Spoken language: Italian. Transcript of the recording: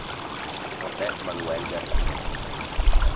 José Manuel García